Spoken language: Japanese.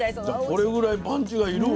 これぐらいパンチが要るわ。